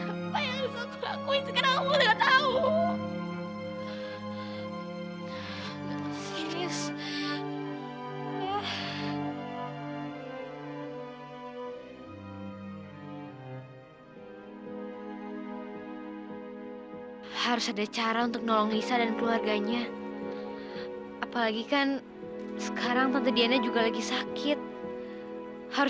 apa yang bisa aku lakuin sekarang aku udah gak tau